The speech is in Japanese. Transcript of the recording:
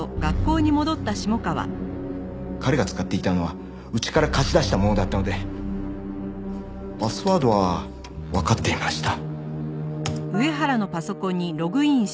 彼が使っていたのはうちから貸し出したものだったのでパスワードはわかっていました。